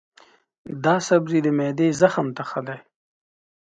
دا سبزی د معدې زخم ته ښه دی.